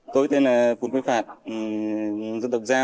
tôi tên là phùng quy phạt dân tộc gia